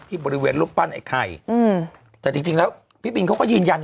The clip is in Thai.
บริเวณรูปปั้นไอ้ไข่แต่จริงแล้วพี่บินเขาก็ยืนยัน